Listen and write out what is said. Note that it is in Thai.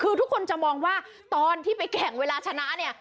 คือทุกคนจะมองว่าตอนที่ไปแข่งเวลาชนะเนี่ย